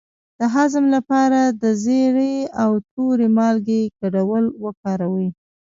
د هضم لپاره د زیرې او تورې مالګې ګډول وکاروئ